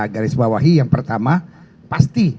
garisbawahi yang pertama pasti